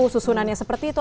susunannya seperti itu